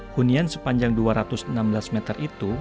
hunian sepanjang dua ratus enam belas meter itu